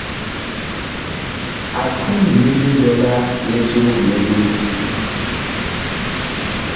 A tiile li ɓɛla li joom li mimbu.